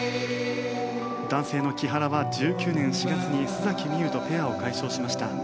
男性の木原は１９年４月に須海羽とペアを解消しました。